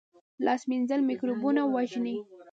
لاس مینځل مکروبونه وژني